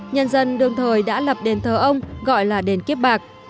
nhân dân đương thời đã lập đền thờ ông gọi là đền kiếp bạc